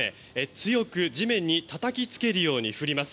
強く地面にたたきつけるように降ります。